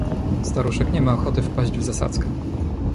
"Staruszek nie ma ochoty wpaść w zasadzkę."